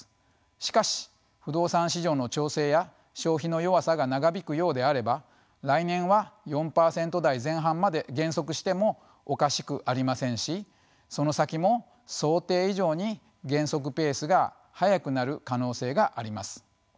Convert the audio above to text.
しかし不動産市場の調整や消費の弱さが長引くようであれば来年は４％台前半まで減速してもおかしくありませんしその先も想定以上に減速ペースが速くなる可能性があります。